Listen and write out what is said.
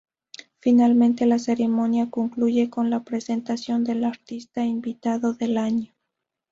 Finalmente la ceremonia concluye con la presentación del artista invitado del año.